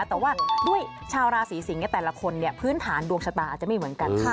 แต่ว่าด้วยชาวราศีสิงศ์แต่ละคนพื้นฐานดวงชะตาอาจจะไม่เหมือนกัน